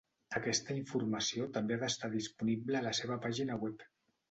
Aquesta informació també ha d'estar disponible a la seva pàgina web.